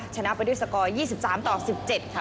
ชนะไปด้วยสกอร์๒๓ต่อ๑๗ค่ะ